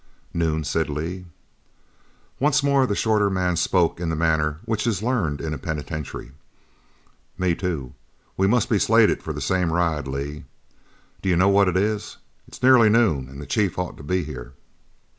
"Noon," said Lee. Once more the shorter man spoke in the manner which is learned in a penitentiary: "Me too. We must be slated for the same ride, Lee. Do you know what it is? It's nearly noon, and the chief ought to be here."